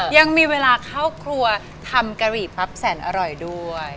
ยังมีเวลาเข้าครัวทำกะหรี่ปั๊บแสนอร่อยด้วย